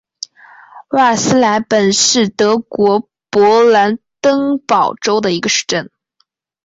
瓦尔斯莱本是德国勃兰登堡州的一个市镇。